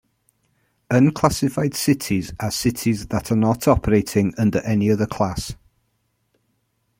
"Unclassified cities" are cities that are not operating under any other class.